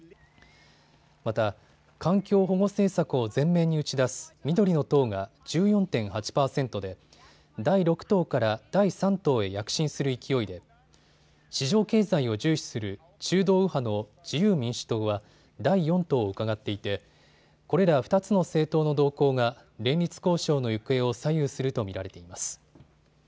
また、環境保護政策を前面に打ち出す緑の党が１４．８％で第６党から第３党へ躍進する勢いで市場経済を重視する中道右派の自由民主党は第４党をうかがっていてこれら２つの政党の動向が連立交渉の行方を左右すると見られています。